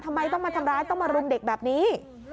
ทำไมต้องมาทำร้ายต้องมารุมเด็กแบบนี้